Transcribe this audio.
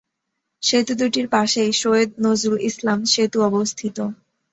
সেতু দুটির পাশেই সৈয়দ নজরুল ইসলাম সেতু অবস্থিত।